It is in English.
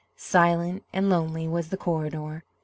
Silent and lonely was the corridor.